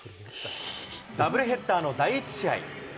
ダブルヘッダーの第１試合。